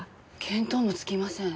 見当もつきません。